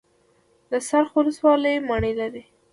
د څرخ ولسوالۍ مڼې لري